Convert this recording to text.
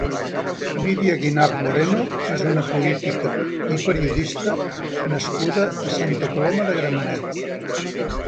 Lídia Guinart Moreno és una politica i periodista nascuda a Santa Coloma de Gramenet.